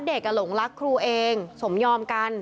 เด็กอลงรักครูเองสมยอมกัน